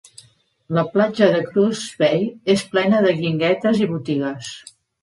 La platja de Cruz Bay és plena de guinguetes i botigues.